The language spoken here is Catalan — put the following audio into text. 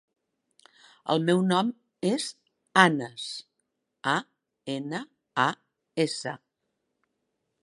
El meu nom és Anas: a, ena, a, essa.